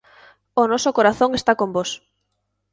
O noso corazón está con vós.